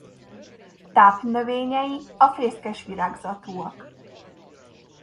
Tápnövényei a fészkesvirágzatúak.